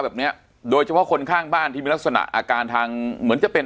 แบบเนี้ยโดยเฉพาะคนข้างบ้านที่มีลักษณะอาการทางเหมือนจะเป็น